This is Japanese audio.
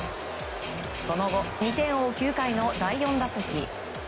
その後２点を追う９回の第４打席。